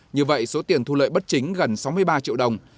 như vậy số tiền thu lợi bất chính gần sáu mươi ba triệu đồng